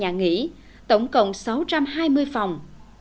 bốn mươi hai nhà nghỉ tổng cộng sáu trăm hai mươi phòng